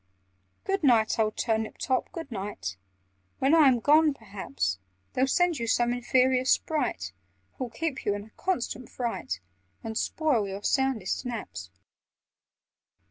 "Good night, old Turnip top, good night! When I am gone, perhaps They'll send you some inferior Sprite, Who'll keep you in a constant fright And spoil your soundest naps.